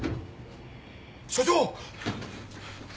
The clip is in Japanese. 署長！